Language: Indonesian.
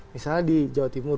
misalnya di jawa timur